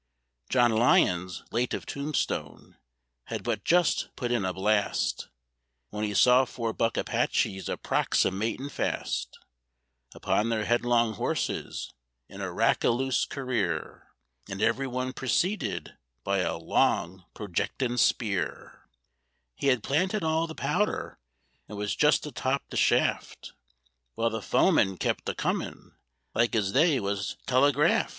John Lyons, late of Tombstone, had but just put in a blast, When he saw four buck Apaches approximatin' fast Upon their headlong horses in a rackaloose career, And every one preceded by a long projectin' spear: He had planted all the powder, and was just atop the shaft, While the foemen kept a comin' like as they was telegrapht.